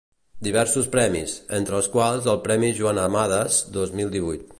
Diversos premis, entre els quals el Premi Joan Amades dos mil divuit.